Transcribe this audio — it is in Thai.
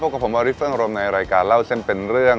พวกกับผมอริฟเฟิร์นโรมนายรายการเล่าเส้นเป็นเรื่อง